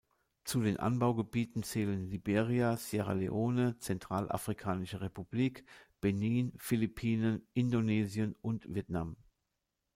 Zu den Anbaugebieten zählen Liberia, Sierra Leone, Zentralafrikanische Republik, Benin, Philippinen, Indonesien und Vietnam.